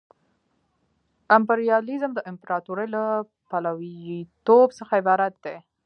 امپریالیزم د امپراطورۍ له پلویتوب څخه عبارت دی